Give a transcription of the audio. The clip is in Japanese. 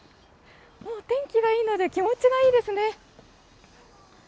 もう天気がいいので気持ちがいいですね！